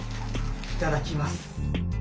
いただきます。